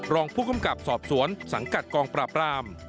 รองผู้กำกับสอบสวนสังกัดกองปราบราม